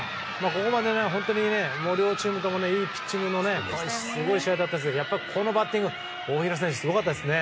ここまで両チームともいいピッチングのすごいいい試合だったんですがこのバッティングは大平選手、すごかったですね。